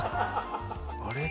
「あれ？